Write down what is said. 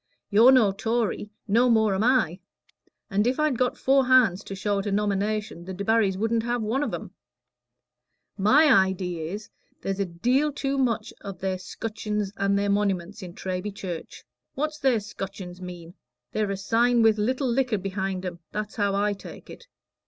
You're no Tory; no more am I. And if I'd got four hands to show at a nomination, the Debarrys shouldn't have one of 'em. My idee is, there's a deal too much of their scutchins and their moniments in Treby Church. What's their scutchins mean? They're a sign with little liquor behind 'em; that's how I take it.